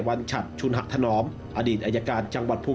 การยืนฟ้องเท่าสังวะเขา